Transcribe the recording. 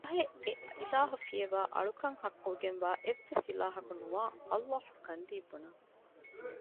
ފަހެ އެ އިލާހު ފިޔަވައި އަޅުކަން ޙައްޤުވާ އެހެން އެއްވެސް އިލާހަކު ނުވާ ﷲ ގަންދީ ބުނަން